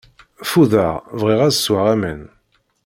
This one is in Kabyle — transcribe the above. Fudeɣ, bɣiɣ ad sweɣ aman.